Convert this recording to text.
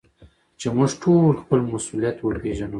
چي موږ ټول خپل مسؤليت وپېژنو.